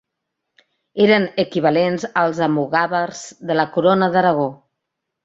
Eren equivalents als Almogàvers de la Corona d'Aragó.